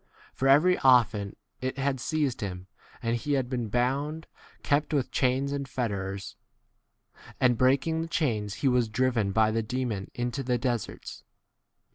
For very often it had seized him,' and he had been bound, kept with chains and fetters, and breaking the chains he was driven by the demon into the deserts.